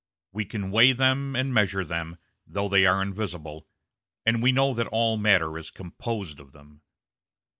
We can weigh them and measure them, though they are invisible, and we know that all matter is composed of them.